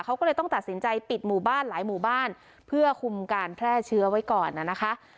เขาก็เลยต้องตัดสินใจปิดหมู่บ้านหลายหมู่บ้านเพื่อคุมการแพร่เชื้อไว้ก่อนนะคะ